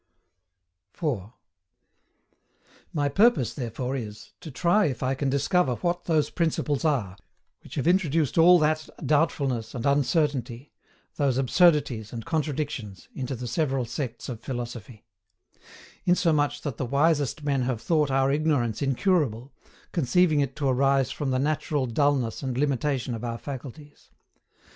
4. My purpose therefore is, to try if I can discover what those Principles are which have introduced all that doubtfulness and uncertainty, those absurdities and contradictions, into the several sects of philosophy; insomuch that the wisest men have thought our ignorance incurable, conceiving it to arise from the natural dulness and limitation of our faculties.